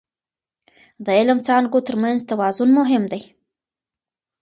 د علم څانګو ترمنځ توازن مهم دی.